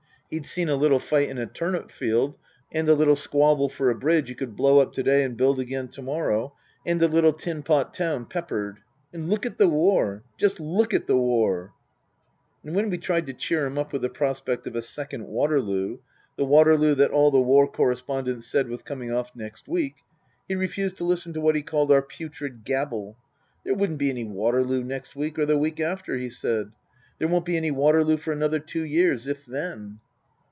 He'd seen a little fight in a turnip field, and a little squabble for a bridge you could blow up to day and build again to morrow, and a little tin pot town peppered. And look at the war ! Just look at the war ! And when we tried to cheer him up with the prospect of a second Waterloo, the Waterloo that all the war correspondents said was coming off next week, he refused to listen to what he called our putrid gabble. There wouldn't be any Waterloo next week or the week after, he said. " There won't be any Waterloo for another two years, if then."